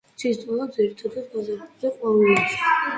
ცისთვალა ძირითადად გაზაფხულზე ყვავილობს.